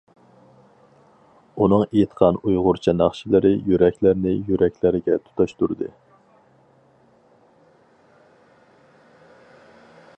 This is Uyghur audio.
ئۇنىڭ ئېيتقان ئۇيغۇرچە ناخشىلىرى يۈرەكلەرنى يۈرەكلەرگە تۇتاشتۇردى.